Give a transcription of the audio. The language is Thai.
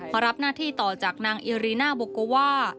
รับหน้าที่ต่อจากนางเอรีน่าโบโกว่า